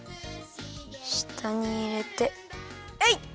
したにいれてえい！